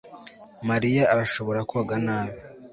mariya arashobora koga nabi